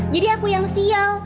jadi aku yang sial